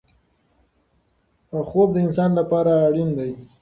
خوب د انسان لپاره اړین دی.